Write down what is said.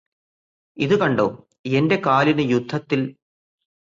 ഇത് കണ്ടോ എന്റെ കാലിന് യുദ്ധത്തില്